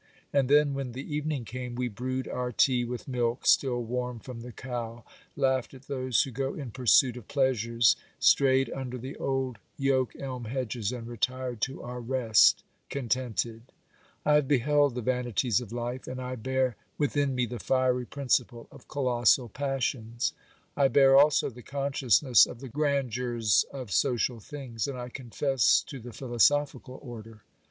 And then, when the evening came, we brewed our tea with milk still warm from the cow, laughed at those who go in pursuit of pleasures, strayed under the old yoke elm hedges, and retired to our rest contented, I have beheld the vanities of life, and I bear within me the fiery principle of colossal passions. I bear also the consciousness of the grandeurs of social things, and I confess to the philosophical order.